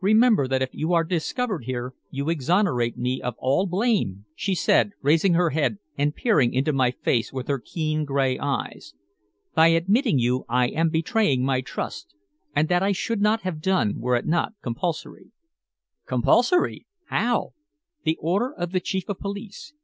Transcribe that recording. "Remember that if you are discovered here you exonerate me of all blame?" she said, raising her head and peering into my face with her keen gray eyes. "By admitting you I am betraying my trust, and that I should not have done were it not compulsory." "Compulsory! How?" "The order of the Chief of Police.